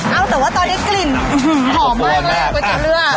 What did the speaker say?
เอ้าแต่ว่าตอนนี้กลิ่นถัวเลือกเหมาะมากเลยอะ